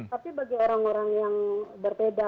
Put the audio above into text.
tapi bagi orang orang yang berbeda